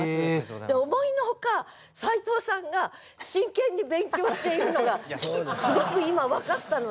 で思いのほか斎藤さんが真剣に勉強しているのがすごく今分かったので。